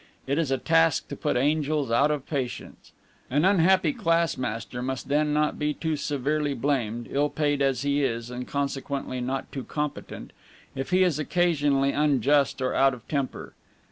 It is a task to put angels out of patience. An unhappy class master must then not be too severely blamed, ill paid as he is, and consequently not too competent, if he is occasionally unjust or out of temper.